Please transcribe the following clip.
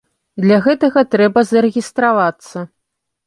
Для гэтага трэба зарэгістравацца.